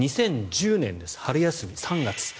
２０１０年、春休み、３月。